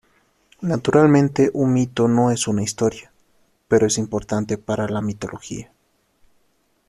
Naturalmente un mito no es una historia, pero es importante para la mitología.